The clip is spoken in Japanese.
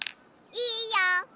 いいよ。